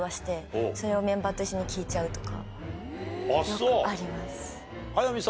よくあります。